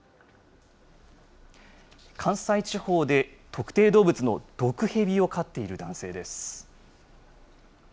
関西地方で特定動物の毒ヘビを飼っている男性です。